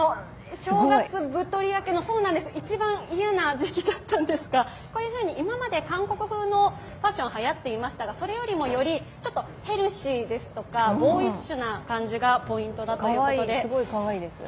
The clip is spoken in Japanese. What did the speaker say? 正月太り明けの一番嫌な時期だったんですが、今まで韓国風のファッションがはやっていましたが、はやっていましたがそれよりもヘルシーですとかボーイッシュな感じがポイントだということで。